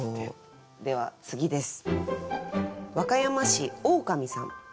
では次です。